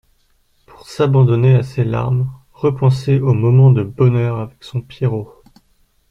pour s’abandonner à ses larmes, repenser aux moments de bonheur avec son Pierrot